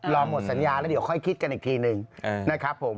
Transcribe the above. หมดสัญญาแล้วเดี๋ยวค่อยคิดกันอีกทีหนึ่งนะครับผม